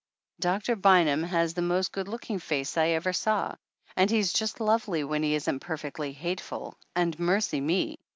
Doctor Bynum lias the most good looking face I ever saw. And he's just lovely when he isn't perfectly hateful, and mercy me!